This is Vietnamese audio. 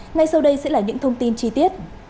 ngay sau đây sẽ là những thông tin chi tiết